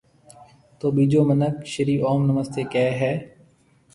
تو ٻِيجو مِنک شرِي اوم نمستيَ ڪهيََ هيَ۔